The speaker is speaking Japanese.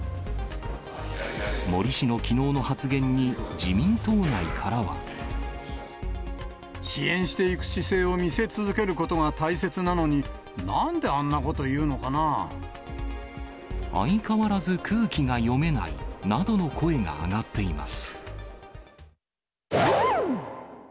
森氏のきのうの発言に、自民党内からは。支援していく姿勢を見せ続けることが大切なのに、相変わらず空気が読めないなどの声が上がっています。